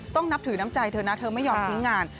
นับถือน้ำใจเธอนะเธอไม่ยอมทิ้งงาน